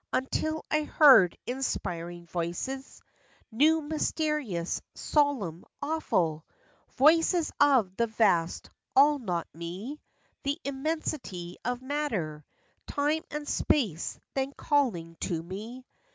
Until I heard inspiring voices, New, mysterious, solemn, awful; Voices of the vast "All not me "— The immensity of matter, Time and space—then calling to me!